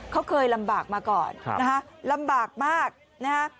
เขาเคยลำบากมาก่อนนะฮะลำบากมากนะฮะ